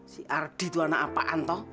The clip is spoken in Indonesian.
si ardi itu anak apaan toh